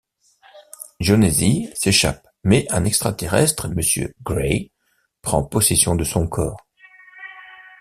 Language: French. Jonesy s'échappe mais un extraterrestre, Monsieur Gray, prend possession de son corps.